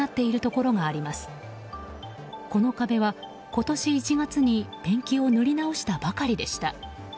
この壁は、今年１月にペンキを塗り直したばかりでした。